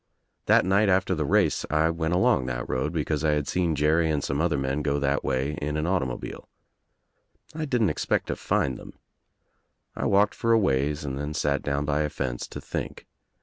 That night after the race I went along that road because I had seen Jerry and some other men go that way in an automobile. I didn't expect to find them. I walked for a ways and then sat down by a fence to think.